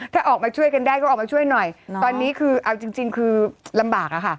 ถ้าออกมาช่วยกันได้ก็ออกมาช่วยหน่อยตอนนี้คือเอาจริงคือลำบากอะค่ะ